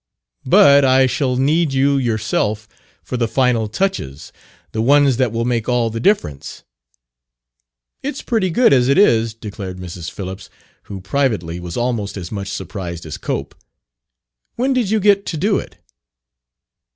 " but I shall need you yourself for the final touches the ones that will make all the difference." "It's pretty good as it is," declared Mrs. Phillips, who, privately, was almost as much surprised as Cope. "When did you get to do it?"